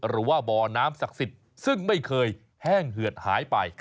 หรือว่าบ่อน้ำศักดิ์สิทธิ์ซึ่งไม่เคยแห้งเหือดหายไป